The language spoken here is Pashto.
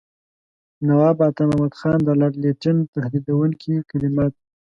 نواب عطامحمد خان د لارډ لیټن تهدیدوونکي کلمات.